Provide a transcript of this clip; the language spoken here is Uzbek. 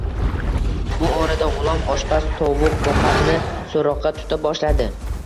Bu orada G‘ulom oshpaz tovuqboqarni so‘roqqa tuta boshladi: